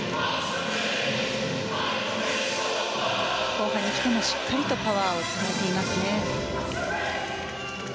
後半に来ても、しっかりとパワーを伝えていますね。